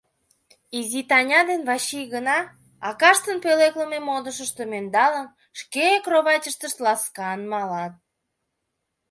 Изи Таня ден Вачий гына, акаштын пӧлеклыме модышыштым ӧндалын, шке кроватьыштышт ласкан малат.